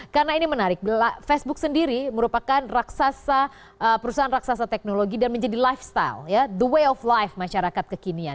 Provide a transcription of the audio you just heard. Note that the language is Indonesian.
karena ini menarik facebook sendiri merupakan perusahaan raksasa teknologi dan menjadi lifestyle the way of life masyarakat kekinian